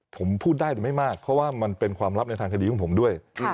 ผมพูดได้หรือไม่มากเพราะว่ามันเป็นความลับในทางคดีของผมด้วย